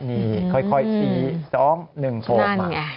นี่ค่อยสีสองหนึ่งโทรศัพท์